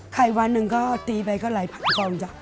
ไขวันนึงตีไปก็ไหลปักกองจัง